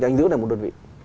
anh giữ lại một đơn vị